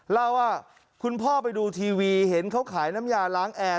เล่าว่าคุณพ่อไปดูทีวีเห็นเขาขายน้ำยาล้างแอร์